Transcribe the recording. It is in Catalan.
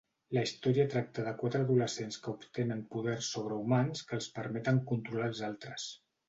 La història tracta de quatre adolescents que obtenen poders sobrehumans que els permeten controlar els altres.